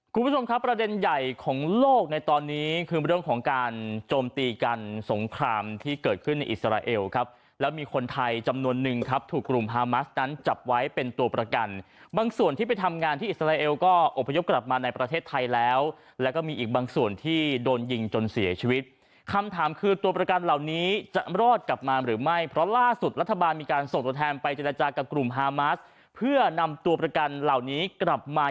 คุณผู้ชมครับประเด็นใหญ่ของโลกในตอนนี้คือเรื่องของการโจมตีกันสงครามที่เกิดขึ้นในอิสราเอลครับแล้วมีคนไทยจำนวนนึงครับถูกกลุ่มฮามัสนั้นจับไว้เป็นตัวประกันบางส่วนที่ไปทำงานที่อิสราเอลก็อพยพกลับมาในประเทศไทยแล้วแล้วก็มีอีกบางส่วนที่โดนยิงจนเสียชีวิตคำถามคือตัวประกั